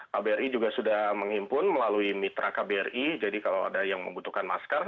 kbri juga sudah menghimpun melalui mitra kbri jadi kalau ada yang membutuhkan masker